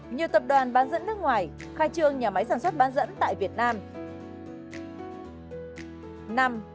nhiều tập đoàn bán dẫn nước ngoài khai trương nhà máy sản xuất bán dẫn tại việt nam